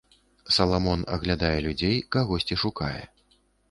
Саламон аглядае людзей, кагосьці шукае.